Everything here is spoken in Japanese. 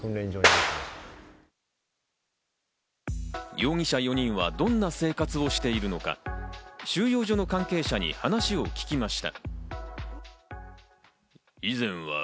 容疑者４人はどんな生活をしているのか、収容所の関係者に話を聞きました。